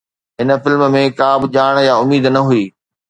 هن فلم ۾ ڪا به ڄاڻ يا اميد نه هئي